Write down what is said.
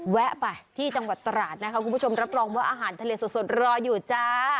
แวะไปที่จังหวัดตราดนะคะคุณผู้ชมรับรองว่าอาหารทะเลสดรออยู่จ้า